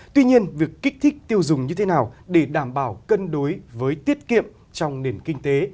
tuy nhiên việc kích thích tiêu dùng như thế nào để đảm bảo cân đối với tiết kiệm trong nền kinh tế